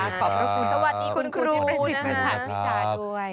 ขอบพระคุณสวัสดีคุณครูท่านพิชาด้วย